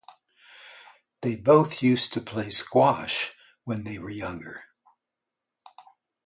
They both used to play squash when they were younger.